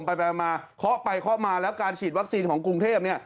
ไปมาเคาะไปเคาะมาแล้วการฉีดวัคซีนของกรุงเทพเนี่ย